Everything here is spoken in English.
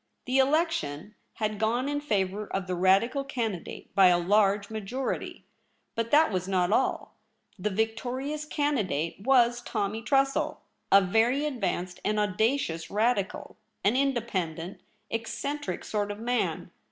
The election had gone in favour of the Radical candidate by a large majority. But that was not all. The victorious candidate was Tommy Tressel, a very advanced and audacious Radi cal, an independent, eccentric sort of man.